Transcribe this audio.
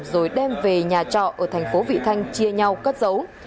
rồi đem về nhà trọ ở thành phố vị thanh chia nhau cất dấu